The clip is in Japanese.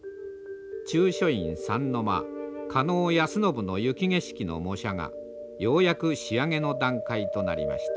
中書院三の間狩野安信の雪景色の模写がようやく仕上げの段階となりました。